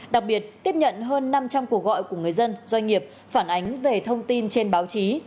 đặc biệt tiếp nhận hơn năm trăm linh cuộc gọi của người dân doanh nghiệp phản ánh về thông tin trên báo chí